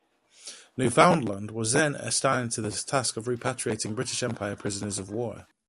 "Newfoundland" was then assigned the task of repatriating British Empire prisoners of war.